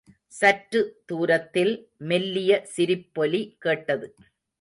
சற்று தூரத்தில் மெல்லிய சிரிப்பொலி கேட்டது.